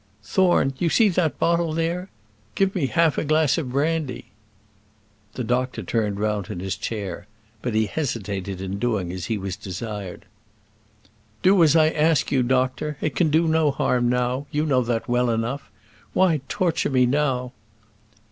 "Thorne, you see that bottle there? Give me half a glass of brandy." The doctor turned round in his chair; but he hesitated in doing as he was desired. "Do as I ask you, doctor. It can do no harm now; you know that well enough. Why torture me now?"